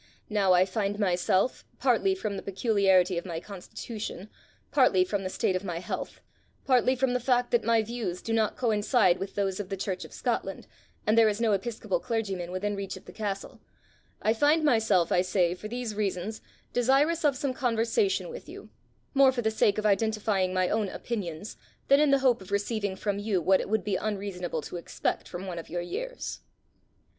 Now I find myself, partly from the peculiarity of my constitution, partly from the state of my health, partly from the fact that my views do not coincide with those of the church of Scotland, and there is no episcopal clergyman within reach of the castle I find myself, I say, for these reasons, desirous of some conversation with you, more for the sake of identifying my own opinions, than in the hope of receiving from you what it would be unreasonable to expect from one of your years."